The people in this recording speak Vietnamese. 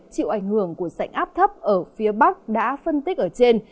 chịu ảnh hưởng của sảnh áp thấp ở phía bắc đã phân tích ở trên